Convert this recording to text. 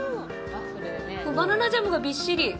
バナナジャムがびっしり。